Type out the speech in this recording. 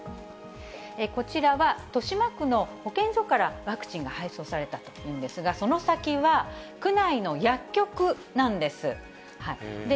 こちらは、豊島区の保健所からワクチンが配送されたというんですが、その先は区内の薬局なんです。